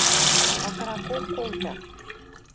Пакыракок колты